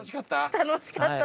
楽しかったです。